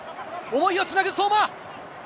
思いをつなぐ、相馬。